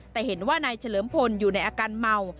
แต่เห็นว่านายเฉลิมพลอยู่ในอาการเมา